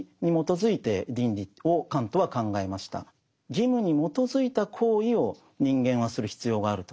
義務に基づいた行為を人間はする必要があると。